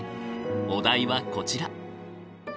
お題はこちら。